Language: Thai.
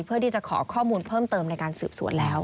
เพื่อที่จะขอข้อมูลเพิ่มเติมในการสืบสวนแล้ว